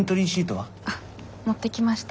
あっ持ってきました。